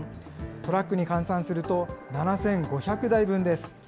トラックに換算すると７５００台分です。